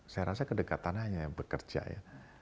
saya rasa kedekatan hanya yang bekerja ya